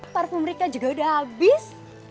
parfum rika juga udah habis